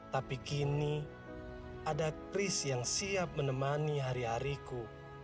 tapi kini ada chris yang siap menemani hari hariku